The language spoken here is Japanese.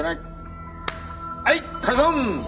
はい解散！